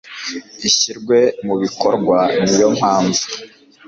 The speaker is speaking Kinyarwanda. ishyirwe mu bikorwa ni yo mpamvu